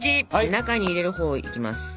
中に入れるほうをいきます。